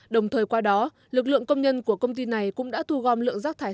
đồng thời qua đó lực lượng công nhân của công ty này cũng đã thu gom lượng rác thải